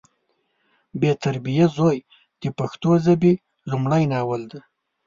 بې تربیه زوی د پښتو ژبې لمړی ناول دی